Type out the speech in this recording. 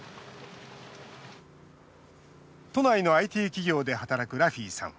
都内のＩＴ企業で働くラフィさん。